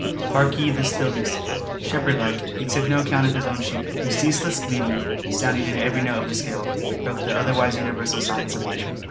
Hark ye the stillness!" Shepherd like he took no account of his own sheep whose ceaseless bleating, sounding in every note of the scale, broke the otherwise universal silence of nature.